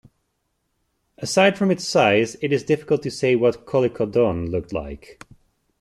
Aside from its size, it is difficult to say what "Kollikodon" looked like.